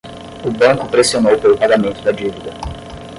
O banco pressionou pelo pagamento da dívida.